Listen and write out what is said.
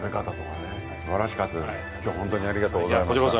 今日はホントにありがとうございました。